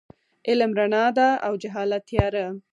علم رڼا ده او جهالت تیاره.